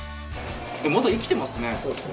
まだ生きてますね。